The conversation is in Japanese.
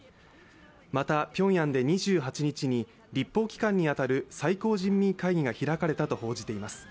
また、ピョンヤンで２８日に立法機関に当たる最高人民会議が開かれたと報じています。